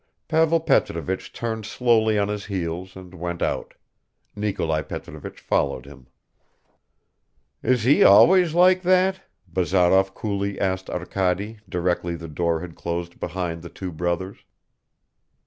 Pavel Petrovich turned slowly on his heels and went out; Nikolai Petrovich followed him. "Is he always like that?" Bazarov coolly asked Arkady directly the door had closed behind the two brothers.